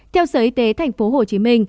theo sở y tế tp hcm